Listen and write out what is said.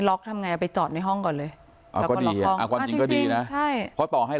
ล็อคทำไงไปจอดในห้องก่อนเลยก็ดีก็ดีนะเพราะต่อให้